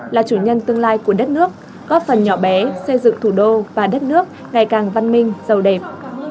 là chủ nhân tương lai của đất nước góp phần nhỏ bé xây dựng thủ đô và đất nước ngày càng văn minh giàu đẹp